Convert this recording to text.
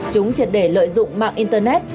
chúng triệt để lợi dụng mạng internet